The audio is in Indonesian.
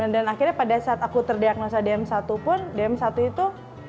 dan akhirnya pada saat aku terdiagnosa dm satu pun dm satu itu